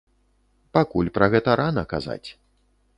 Пакуль пра гэта рана казаць.